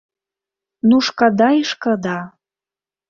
Ну шкада, і шкада.